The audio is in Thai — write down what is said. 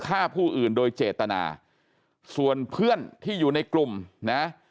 ฆ่าผู้อื่นโดยเจตนาส่วนเพื่อนที่อยู่ในกลุ่มนะ